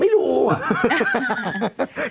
ไม่รู้อ่ะ